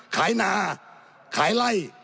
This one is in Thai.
ขายหนาขายไล่